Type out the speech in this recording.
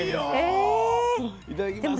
いただきます。